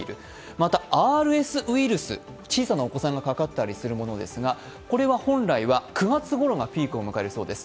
また、ＲＳウイルス、小さなお子さんがかかったりするものですがこれは本来は９月ごろがピークを迎えるそうです。